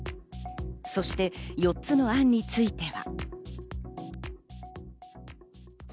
そして４つの案については。